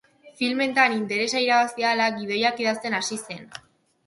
Filmetan interesa irabazi ahala, gidoiak idazten hasi zen.